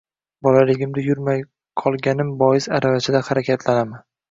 Bolaligimda yurmay qolganim bois aravachada harakatlanaman.